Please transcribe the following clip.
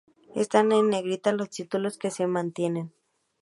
Están en negrita los títulos que se mantiene.